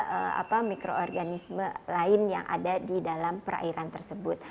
tentunya ikan dan juga mikroorganisme lain yang ada di dalam perairan tersebut